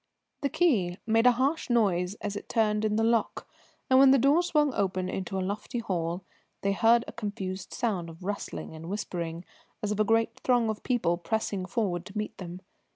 The key made a harsh noise as it turned in the lock, and when the door swung open into a lofty hall they heard a confused sound of rustling and whispering, as of a great throng of people pressing forward to meet them.